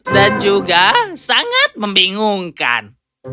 dan juga sangat membingungkan